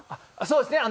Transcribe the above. そうですね。